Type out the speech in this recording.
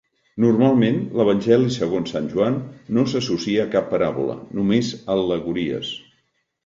Normalment, l'Evangeli segons Sant Joan no s'associa a cap paràbola, només a al·legories.